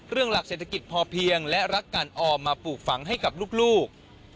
หลักเศรษฐกิจพอเพียงและรักการออมมาปลูกฝังให้กับลูก